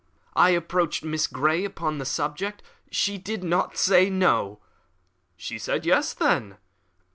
"I approached Miss Grey upon the subject; she did not say No." "She said Yes, then?"